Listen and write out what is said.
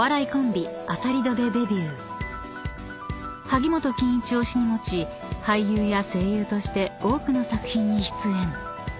［萩本欽一を師に持ち俳優や声優として多くの作品に出演］